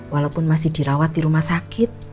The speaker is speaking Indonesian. walaupun masih dirawat di rumah sakit